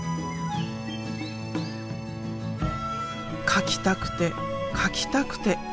描きたくて描きたくて。